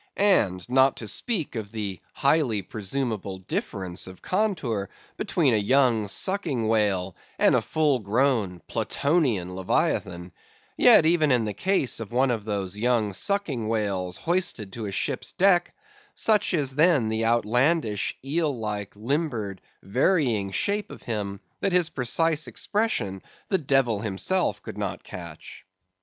And, not to speak of the highly presumable difference of contour between a young sucking whale and a full grown Platonian Leviathan; yet, even in the case of one of those young sucking whales hoisted to a ship's deck, such is then the outlandish, eel like, limbered, varying shape of him, that his precise expression the devil himself could not catch.